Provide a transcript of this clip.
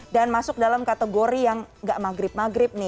dan masuk dalam kategori yang nggak maghrib maghrib nih